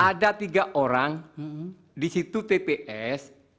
ada tiga orang di situ tps